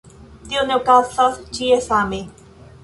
Tio ne okazas ĉie same.